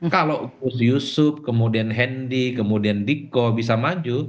kalau gus yusuf kemudian hendi kemudian diko bisa maju